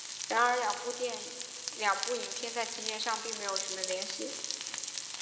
然而两部影片在情节上并没有什么联系。